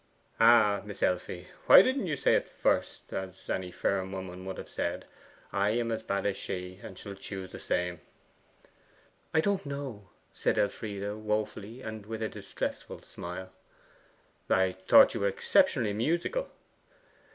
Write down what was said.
'Ah, Miss Elfie, why didn't you say at first, as any firm woman would have said, I am as bad as she, and shall choose the same?' 'I don't know,' said Elfride wofully, and with a distressful smile. 'I thought you were exceptionally musical?